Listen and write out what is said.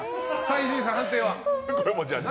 伊集院さん、判定は？